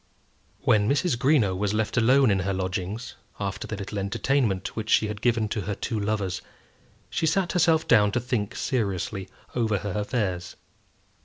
When Mrs. Greenow was left alone in her lodgings, after the little entertainment which she had given to her two lovers, she sat herself down to think seriously over her affairs.